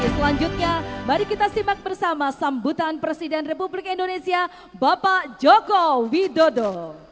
selanjutnya mari kita simak bersama sambutan presiden republik indonesia bapak joko widodo